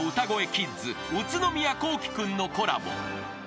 キッズ宇都宮聖君のコラボ］